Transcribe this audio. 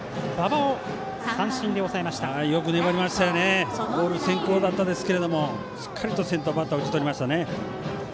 ボール先行だったんですけどしっかりと先頭バッター打ち取りましたね。